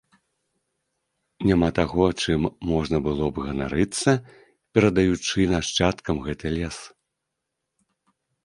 Няма таго, чым можна было б ганарыцца, перадаючы нашчадкам гэты лес.